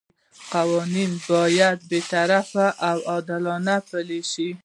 قوانین باید بې طرفه او عادلانه پلي شي.